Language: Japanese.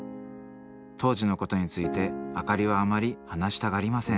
当時のことについて明里はあまり話したがりません。